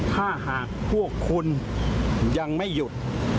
ถ้าหากพวกคุณยังไม่หยุด